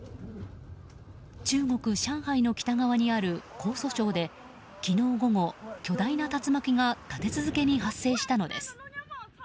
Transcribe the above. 中国・上海の北側にある江蘇省で昨日午後、巨大な竜巻が立て続けに発生したのです。